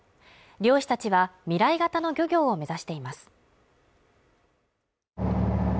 漁師たちは未来型の漁業を目指しています。